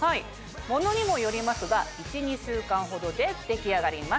物にもよりますが１２週間ほどで出来上がります。